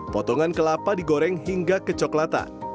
potongan kelapa digoreng hingga kecoklatan